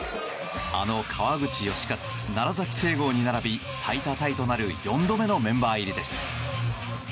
あの川口能活、楢崎正剛に並び最多タイとなる４度目のメンバー入りです。